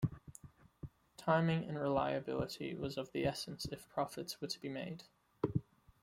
Timing and reliability was of the essence if profits were to be made.